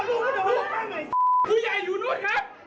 นั่นนะครับวิทยาลัยนั่นนะอยู่นั่นครับ